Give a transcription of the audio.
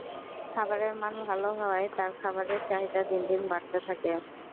খাবারের মান ভালো হওয়ায় তাঁর খাবারের চাহিদা দিন দিন বাড়তে থাকে।